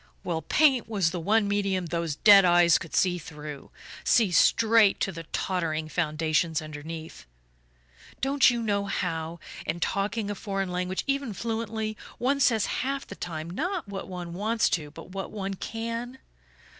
Well, paint was the one medium those dead eyes could see through see straight to the tottering foundations underneath. Don't you know how, in talking a foreign language, even fluently, one says half the time not what one wants to but what one can?